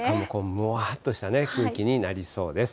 もわっとした空気になりそうです。